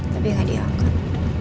tapi nggak dianggap